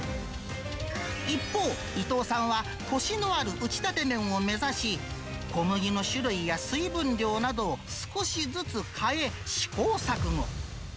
一方、伊藤さんはこしのある打ちたて麺を目指し、小麦の種類や水分量などを少しずつ変え、試行錯誤。